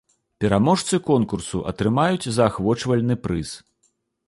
Пераможцы конкурсу атрымаюць заахвочвальны прыз.